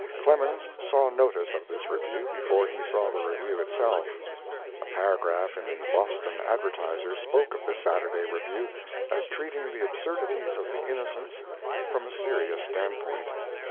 Clemens saw notice of this review before he saw the review itself. A paragraph in the Boston Advertiser spoke of The Saturday Review as treating the absurdities of the Innocents from a serious standpoint.